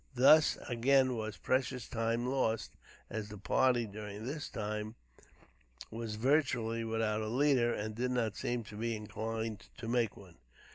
Thus again was precious time lost, as the party, during this time, were virtually without a leader, and did not seem to be inclined to make one.